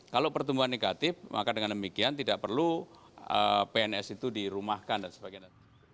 kalau pertumbuhan negatif maka dengan demikian tidak perlu pns itu dirumahkan dan sebagainya